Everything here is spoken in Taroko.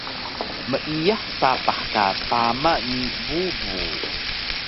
Meiyah sapah ka tama ni bubu